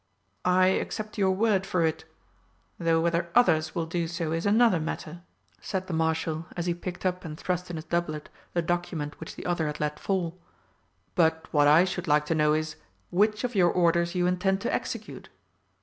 "I accept your word for it though whether others will do so is another matter," said the Marshal as he picked up and thrust in his doublet the document which the other had let fall. "But what I should like to know is, which of your orders you intend to execute?"